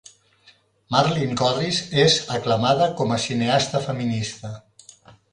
Marleen Gorris és aclamada com a cineasta feminista.